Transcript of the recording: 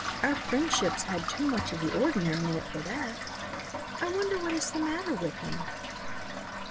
"Our friendship's had too much of the ordinary in it for that. I wonder what is the matter with him."